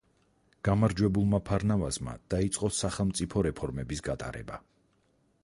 გამარჯვებულმა ფარნავაზმა დაიწყო სახელმწიფო რეფორმების გატარება.